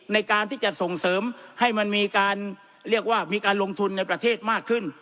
ในการที่จะส่งเสริมให้มันมีการเรียกว่ามีการลงทุนในประเทศมากขึ้น